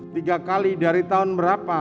tiga kali dari tahun berapa